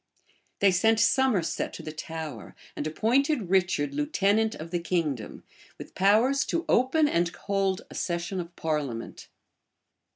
They sent Somerset to the Tower, and appointed Richard lieutenant of the kingdom, with powers to open and hold a session of parliament.